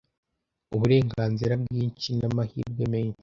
uburenganzira bwinshi n'amahirwe menshi